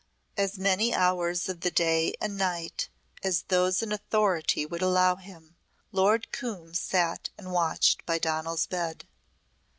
As many hours of the day and night as those in authority would allow him Lord Coombe sat and watched by Donal's bed.